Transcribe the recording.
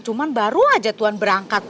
cuma baru aja tuhan berangkat